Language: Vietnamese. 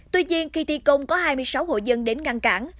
tuy nhiên khi thi công có hai mươi sáu hộ dân đến ngăn cản